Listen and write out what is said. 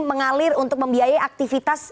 mengalir untuk membiayai aktivitas